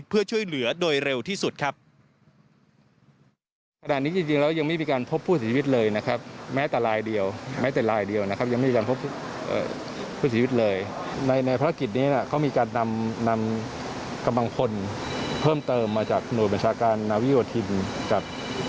เพื่อช่วยเหลือโดยเร็วที่สุดครับ